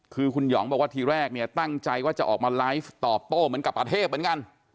คือคุณหยองบอกว่าทีแรกเนี่ยตั้งใจว่าจะออกมาไลฟ์ตอบโต้เหมือนกับประเทศเหมือนกัน